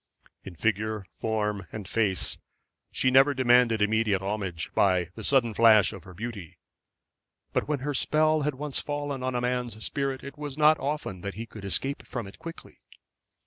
In figure, form, and face she never demanded immediate homage by the sudden flash of her beauty. But when her spell had once fallen on a man's spirit it was not often that he could escape from it quickly.